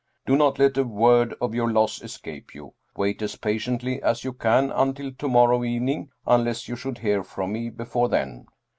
Do not let a word of your loss escape you. Wait as pa tiently as you can until to morrow evening, unless you should hear from me before then.